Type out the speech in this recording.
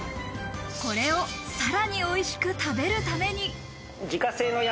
これをさらにおいしく食べるために。